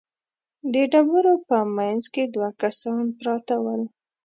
د ډبرو په مينځ کې دوه کسان پراته ول.